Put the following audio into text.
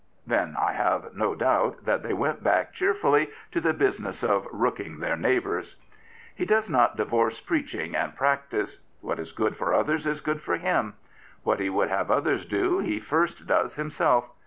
Then I have no doubt that they went back cheerfully to the business of rooking their neighbours. Ste^ does not divorce preaching and practice. What is good for others is good for him. What he would have others do he first does himself.